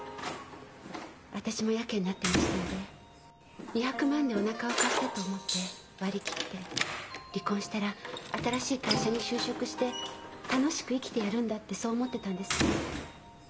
私もヤケになってましたんで２００万でおなかを貸したと思って割り切って離婚したら新しい会社に就職して楽しく生きてやるんだってそう思ってたんですけど。